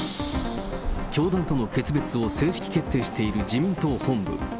教団との決別を正式決定している自民党本部。